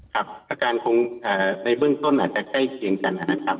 อาการคงในเบื้องต้นอาจจะใกล้เคียงกันนะครับ